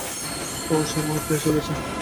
ওহ্ সেই মুহুর্ত এসে গেছে।